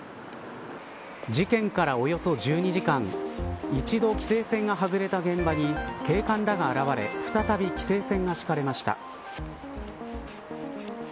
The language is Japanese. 事件から、およそ１２時間一度、規制線が外れた現場に警官らが現れ再び規制線が敷かれました。